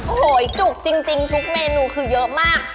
โหยจุกจริงทุกเมนูคือเยอะมาก